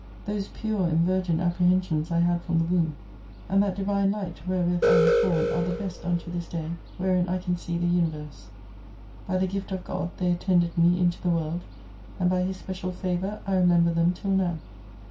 Those pure and virgin apprehensions I had from the womb, and that divine light wherewith I was bom are the best unto this day, wherein I can see the Universe. By the Gift of God they attended me into the world, and by His special favour I remember them till now.